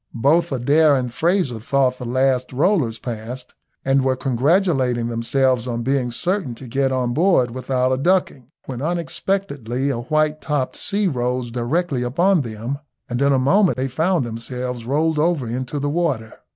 Both Adair and Frazer thought the last rollers passed, and were congratulating themselves on being certain to get on board without a ducking, when unexpectedly a white topped sea rose directly upon them, and in a moment they found themselves rolled over into the water.